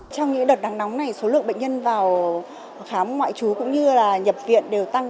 trong những đợt nắng nóng này số lượng bệnh nhân vào khám ngoại trú cũng như là nhập viện đều tăng